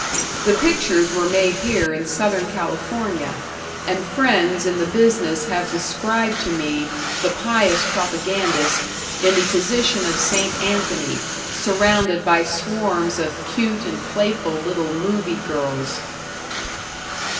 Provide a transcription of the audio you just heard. The pictures were made here in Southern California, and friends in the business have described to me the pious propagandist in the position of St. Anthony surrounded by swarms of cute and playful little movie girls.